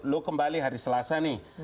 lo kembali hari selasa nih